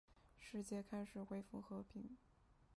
世界开始恢复和平。